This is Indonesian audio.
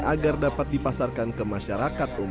agar dapat dipasarkan ke masyarakat